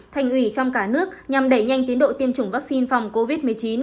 thành ủy trong cả nước nhằm đẩy nhanh tiến độ tiêm chủng vaccine phòng covid một mươi chín